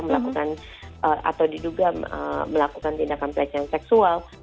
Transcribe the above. melakukan atau diduga melakukan tindakan pelecehan seksual